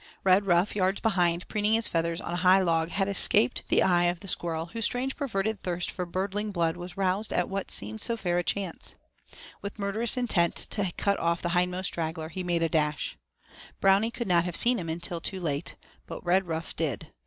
Redruff, yards behind, preening his feathers on a high log, had escaped the eye of the squirrel, whose strange perverted thirst for birdling blood was roused at what seemed so fair a chance. With murderous intent to cut off the hindmost straggler, he made a dash. Brownie could not have seen him until too late, but Redruff did.